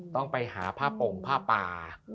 ต้องไปหาผ้าโป่งผ้าป่า